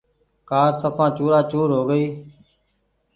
ڪآر سڦان چورآ چور هو گئي ۔